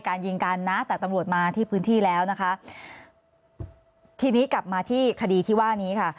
ยิงกันนะแต่ตำรวจมาที่พื้นที่แล้วนะคะทีนี้กลับมาที่คดีที่ว่านี้ค่ะ